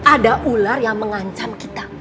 ada ular yang mengancam kita